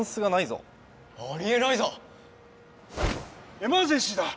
エマージェンシーだ！